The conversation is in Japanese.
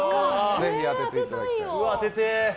ぜひ当てていただきたいと思います。